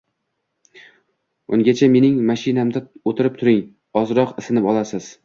Ungacha mening mashinamda oʻtirib turing, ozroq isinib olasiz